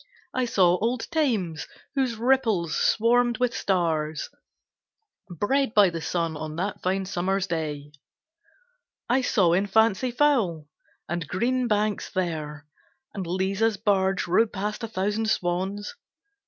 I saw old Thames, whose ripples swarmed with stars Bred by the sun on that fine summer's day; I saw in fancy fowl and green banks there, And Liza's barge rowed past a thousand swans.